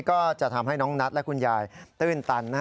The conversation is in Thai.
ก็จะทำให้น้องนัทและคุณยายตื้นตัน